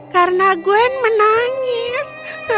karena gwen menangis